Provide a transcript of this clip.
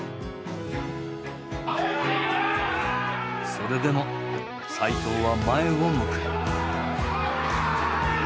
それでも齋藤は前を向く。